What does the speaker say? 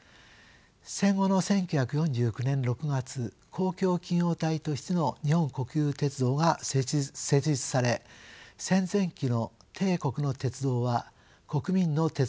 戦後の１９４９年６月公共企業体としての日本国有鉄道が設立され戦前期の帝国の鉄道は国民の鉄道に生まれ変わりました。